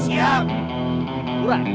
saatnya kita bermain keras